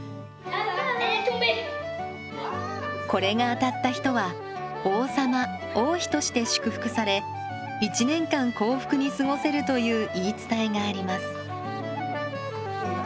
これが当たった人は王様王妃として祝福され１年間幸福に過ごせるという言い伝えがあります。